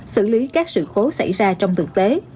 xử lý các sự cố xảy ra trong thực tế